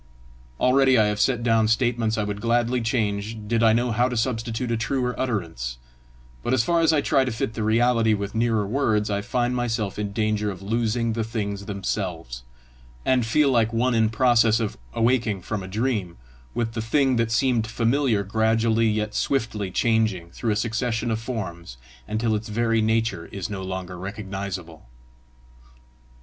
Already I have set down statements I would gladly change did I know how to substitute a truer utterance; but as often as I try to fit the reality with nearer words, I find myself in danger of losing the things themselves, and feel like one in process of awaking from a dream, with the thing that seemed familiar gradually yet swiftly changing through a succession of forms until its very nature is no longer recognisable.